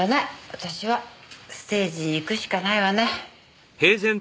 私はステージに行くしかないわね。